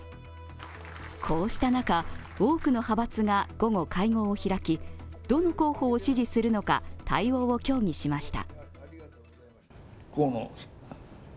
こうした中、多くの派閥が午後会合を開き、どの候補を支持するのか対応を協議しました。